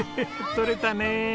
とれたね。